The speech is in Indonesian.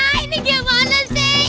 ya ini gimana sih